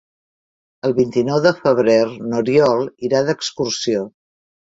El vint-i-nou de febrer n'Oriol irà d'excursió.